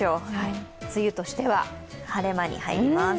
梅雨としては晴れ間に入ります。